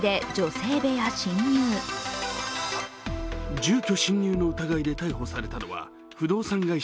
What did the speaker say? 住居侵入の疑いで逮捕されたのは不動産会社